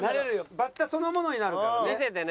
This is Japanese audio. バッタそのものになるからね。